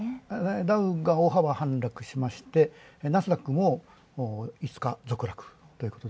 ダウが大幅反落しましてナスダックも５日続落と。